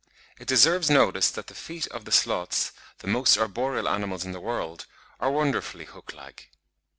It deserves notice that the feet of the sloths, the most arboreal animals in the world, are wonderfully hook like.